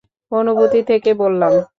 অনুভূতি থেকে বললাম।